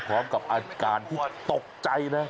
พร้อมกับอาการที่ตกใจนะ